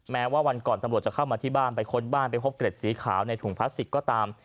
แม้ว่าวันก่อนตำรวจจะเข้ามาที่บ้านไปค้นบ้านไปพบเกร็ดสีขาวในถุงพลาสติกก็ตาม